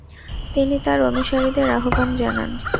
তিনি তার অনুসারীদের আহ্বান জানান।